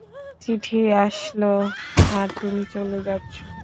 চিঠি আসলো আর তুমি চলে যাচ্ছো?